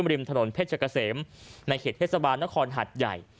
ริมถนนเพชรเกษมในเขตเทศบาลนครหัดใหญ่